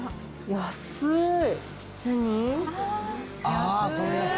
安い！